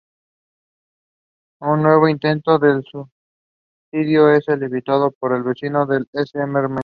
Un nuevo intento de suicidio es evitado por un vecino, el Sr. Miller.